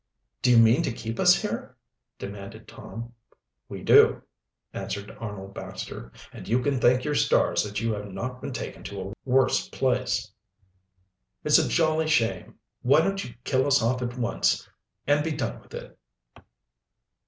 "Do you mean to keep us here?" demanded Tom. "We do," answered Arnold Baxter. "And you can thank your stars that you have not been taken to a worse place." "It's a jolly shame. Why don't you kill us off at once, and be done with it?"